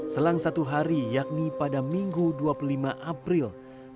selang satu hari yakni pada minggu dua puluh lima april